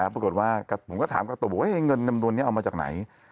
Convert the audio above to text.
ผมก็ถามกาโตว่าเงินน้ำนวลนี้เอามาจากไหน